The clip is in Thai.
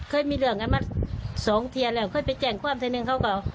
เคยมีเรื่องกันมาสองทีแล้วเคยไปแจ้งความทีนึงเขาก็